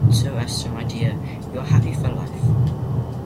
And so Esther, my dear, you are happy for life.